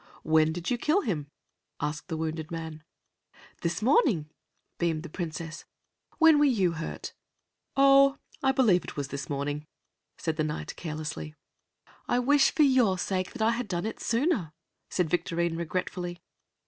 "When did you kill him?" asked the wounded man. "This morning," beamed the Princess. "When were you hurt?" "Oh, I believe it was this morning," said the Knight carelessly. "I wish, for your sake, I had done it sooner," said Victorine regretfully.